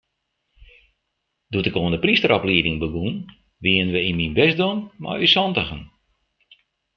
Doe't ik oan de prysteroplieding begûn, wiene we yn myn bisdom mei ús santigen.